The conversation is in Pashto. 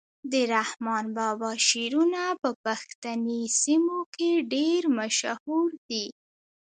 د رحمان بابا شعرونه په پښتني سیمو کي ډیر مشهور دي.